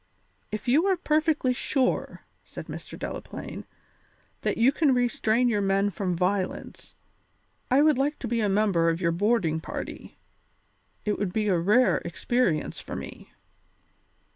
"If you are perfectly sure," said Mr. Delaplaine, "that you can restrain your men from violence, I would like to be a member of your boarding party; it would be a rare experience for me."